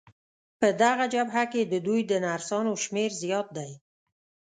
په دغه جبهه کې د دوی د نرسانو شمېر زیات دی.